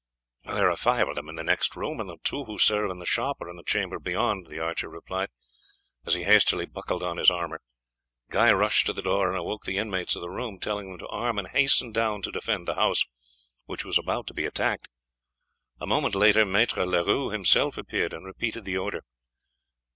"There are five of them in the next room, and the two who serve in the shop are in the chamber beyond," the archer replied, as he hastily buckled on his armour. Guy rushed to the door and awoke the inmates of the rooms, telling them to arm and hasten down to defend the house, which was about to be attacked. A moment later Maître Leroux himself appeared and repeated the order.